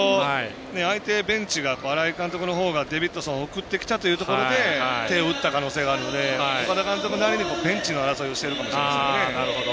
ベンチ、新井監督がデビッドソンを送ってきたというところで手を打った可能性があるので岡田監督の中でベンチの戦いをしてるのかもしれないですね。